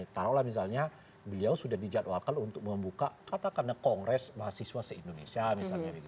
taruhlah misalnya beliau sudah dijadwalkan untuk membuka katakanlah kongres mahasiswa se indonesia misalnya gitu